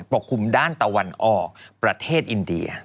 ปกคลุมด้านตะวันออกประเทศอินเดีย